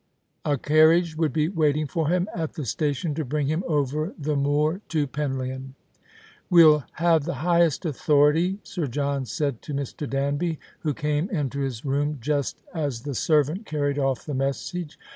A carriage would be waiting for him at the station tq bring him over the moor to Penlyon. "We'll have the highest authority," Sir John said to Mr. Danby, who came into his room just as the servant carried oif the message.